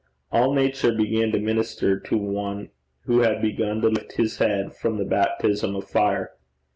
All Nature began to minister to one who had begun to lift his head from the baptism of fire.